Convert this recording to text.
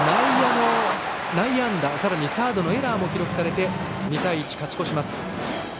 内野安打、さらにサードのエラーも記録されて２対１と勝ち越します。